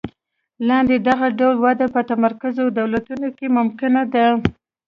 لاندې دغه ډول وده په متمرکزو دولتونو کې ممکنه ده.